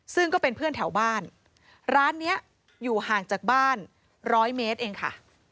ซึ่งก็เป็นเพื่อนแถวบ้านร้านนี้อยู่ห่างจากบ้านร้อยเมตรเองค่ะ